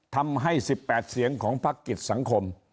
ทำให้๑๘เสียงของพักกิจสังคม